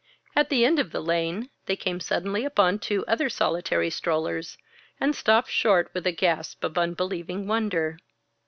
At the end of the lane, they came suddenly upon two other solitary strollers, and stopped short with a gasp of unbelieving wonder.